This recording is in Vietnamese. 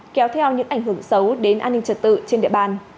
kéo theo những ảnh hưởng xấu đến an ninh trật tự trên địa bàn